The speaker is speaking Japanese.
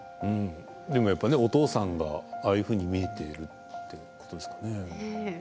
お父さんがああいうふうに見えていることですかね。